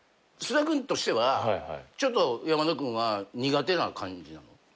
菅田君としてはちょっと山田君は苦手な感じなの？